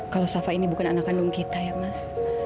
kalau safa ini bukan anak kandung kita ya mas